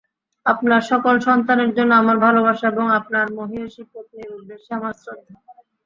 আপনার সকল সন্তানের জন্য আমার ভালবাসা, এবং আপনার মহীয়সী পত্নীর উদ্দেশ্যে আমার শ্রদ্ধা।